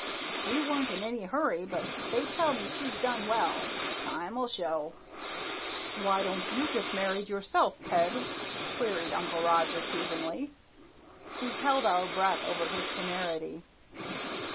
She weren't in any hurry but they tell me she's done well. Time'll show." "Why don't you get married yourself, Peg?" queried Uncle Roger teasingly. We held our breath over his temerity.